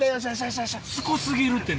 しつこすぎるって。